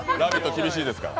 厳しいですから。